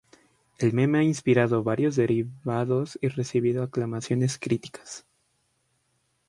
El meme ha inspirado varios derivados y recibido aclamaciones críticas.